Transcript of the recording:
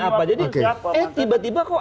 apa jadi oh tiba tiba kok